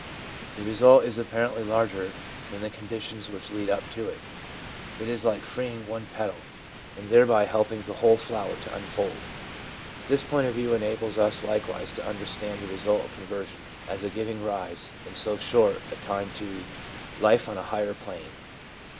The result is apparently larger than the con ditions which lead up to it. It is like freeing one petal, and thereby helping the whole flower to unfold. This point of view enables us likewise to understand the result of conversion as a giving rise, in so short a time, to Life on a Higher Plane.